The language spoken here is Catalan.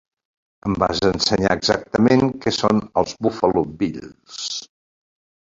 Em vas ensenyar exactament què són els Buffalo Bills.